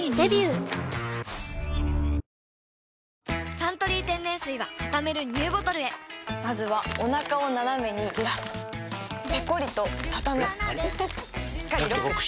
「サントリー天然水」はたためるＮＥＷボトルへまずはおなかをナナメにずらすペコリ！とたたむしっかりロック！